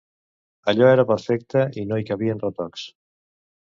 Allò era perfecte i no hi cabien retocs.